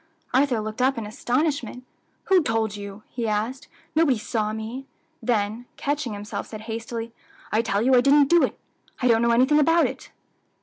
Arthur looked up in astonishment. "Who told you?" he asked; "nobody saw me;" then, catching himself, said hastily, "I tell you I didn't do it. I don't know anything about it."